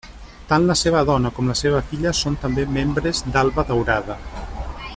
Tant la seva dona com la seva filla són també membres d'Alba Daurada.